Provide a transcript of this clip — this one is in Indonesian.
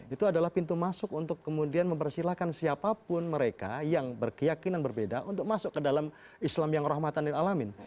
itu adalah pintu masuk untuk kemudian mempersilahkan siapapun mereka yang berkeyakinan berbeda untuk masuk ke dalam islam yang rahmatan dan alamin